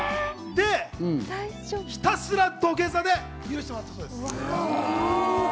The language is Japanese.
で、ひたすら土下座で許してもらったそうです。